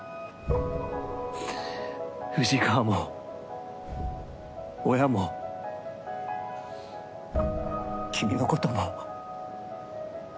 藤川も親も君のことも。